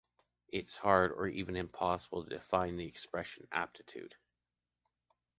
It’s hard or even impossible to define the expression aptitude.